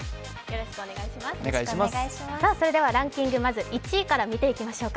ランキング、まず１位から見ていきましょうか。